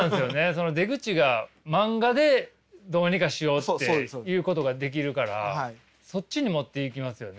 その出口が漫画でどうにかしようっていうことができるからそっちに持っていきますよね。